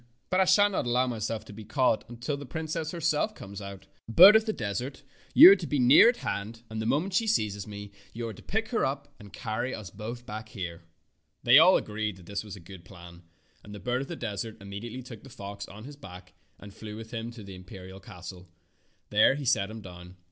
But I shall not allow myself to be caught until the princess herself comes out. Bird of the Desert, you are to be near at hand, and the Fairy Tale Foxes 99 moment she seizes me you are to pick her up and carry us both back here.'' They all agreed that this was a good plan, and the bird of the desert immediately took the fox on his back and flew with him to the imperial castle. There he set him down.